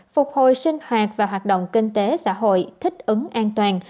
phục hồi sinh hoạt và hoạt động kinh tế xã hội thích ứng an toàn